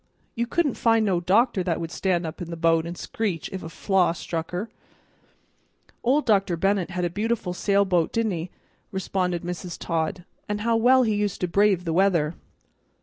You couldn't find no doctor that would stand up in the boat and screech if a flaw struck her." "Old Dr. Bennett had a beautiful sailboat, didn't he?" responded Mrs. Todd. "And how well he used to brave the weather!